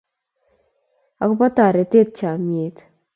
Agobo toretet, chamnyet,